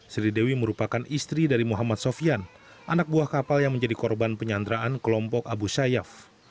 sri dewi merupakan istri dari muhammad sofian anak buah kapal yang menjadi korban penyanderaan kelompok abu sayyaf